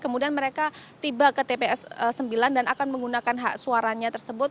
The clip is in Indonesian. kemudian mereka tiba ke tps sembilan dan akan menggunakan hak suaranya tersebut